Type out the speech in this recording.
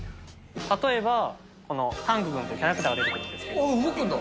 例えば、このタンクくんというキャラクターが出てくるんですけど。